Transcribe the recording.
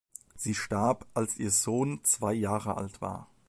Sie starb, als ihr Sohn zwei Jahre alt war.